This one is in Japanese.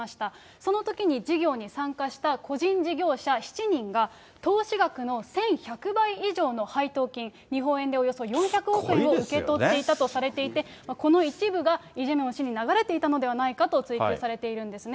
そのときに事業に参加した個人事業者７人が投資額の１１００倍以上の配当金、日本円でおよそ４００億円を受け取っていたとされていて、この一部がイ・ジェミョン氏に流れていたのではないかと追及されているんですね。